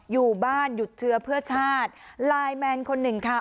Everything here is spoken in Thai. อยู่บ้านหยุดเชื้อเพื่อชาติไลน์แมนคนหนึ่งค่ะ